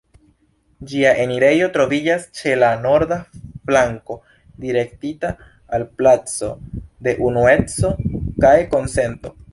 Ĝia enirejo troviĝas ĉe la norda flanko, direktita al placo de Unueco kaj Konsento.